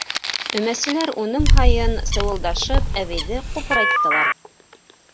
Өмәселәр уның һайын сыуылдашып әбейҙе ҡупырайттылар.